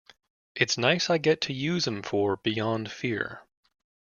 Its nice I get to use em for Beyond Fear.